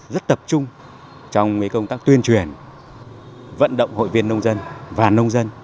rất tập trung trong công tác tuyên truyền vận động hội viên nông dân và nông dân